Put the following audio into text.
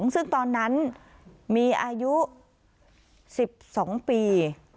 ซึ่งตอนนั้นมีอายุ๑๒ปี